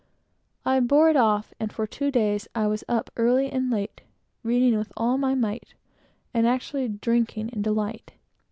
I bore it off, and for two days I was up early and late, reading with all my might, and actually drinking in delight.